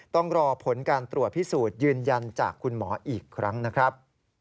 ต้องรอผลการตรวจพิสูจน์ยืนยันจากคุณหมออีกครั้งนะครับ